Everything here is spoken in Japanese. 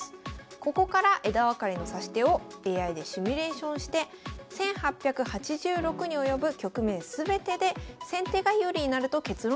ここから枝分かれの指し手をＡＩでシミュレーションして１８８６に及ぶ局面全てで先手が有利になると結論づけられたというんです。